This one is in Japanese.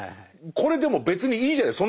これでも別にいいじゃない。